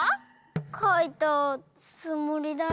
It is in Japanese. かいたつもりだよ。